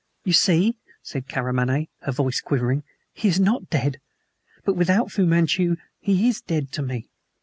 "You see," said Karamaneh, her voice quivering, "he is not dead! But without Fu Manchu he is dead to me.